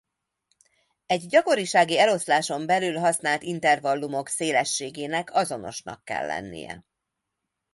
Egy gyakorisági eloszláson belül használt intervallumok szélességének azonosnak kell lennie.